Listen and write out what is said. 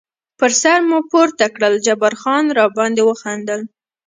پر سر مو پورته کړل، جبار خان را باندې وخندل.